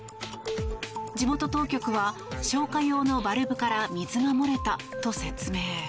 地元当局は、消火用のバルブから水が漏れたと説明。